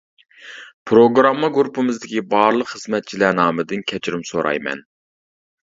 پىروگرامما گۇرۇپپىمىزدىكى بارلىق خىزمەتچىلەر نامىدىن كەچۈرۈم سورايمەن.